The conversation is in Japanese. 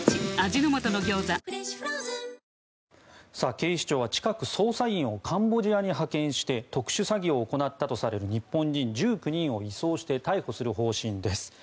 警視庁は近く捜査員をカンボジアに派遣して特殊詐欺を行ったとされる日本人１９人を移送して逮捕する方針です。